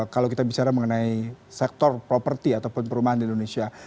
kalau kita bicara mengenai sektor properti ataupun perumahan di indonesia